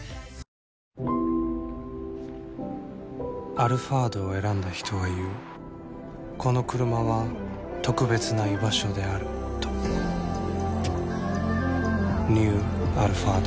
「アルファード」を選んだ人は言うこのクルマは特別な居場所であるとニュー「アルファード」